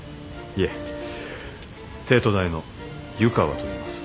いえ帝都大の湯川といいます。